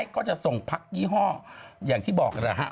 ก็จะส่งพักยี่ห้ออย่างที่บอกแล้วฮะ